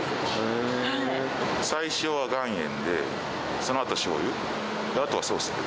最初は岩塩で、そのあとしょうゆ、あとはソース。